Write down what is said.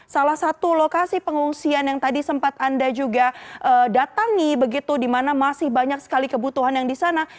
salah satu lokasi pengungsian yang tadi sempat anda juga datangi begitu di mana masih banyak sekali kebutuhan yang di sana